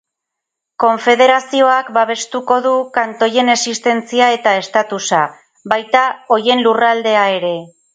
Konfederazioak babestuko du kantoien existentzia eta estatusa, baita horien lurraldea ere.